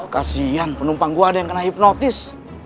kasian penumpang gue ada yang kena hipnotis